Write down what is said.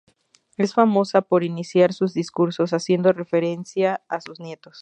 Es famosa por iniciar sus discursos haciendo referencia a sus nietos.